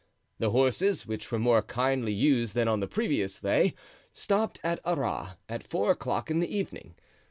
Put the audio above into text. The horses, which were more kindly used than on the previous day, stopped at Arras at four o'clock in the evening.